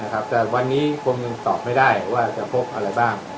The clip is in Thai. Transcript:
แต่วันนี้คงยังตอบไม่ได้ว่าจะพบอะไรบ้าง